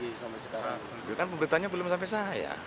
itu kan pemberitahannya belum sampai sahaya